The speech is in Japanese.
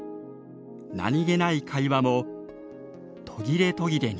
何気ない会話も途切れ途切れに。